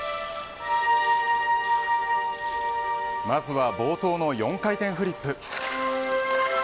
まずは冒頭の４回転フリップ。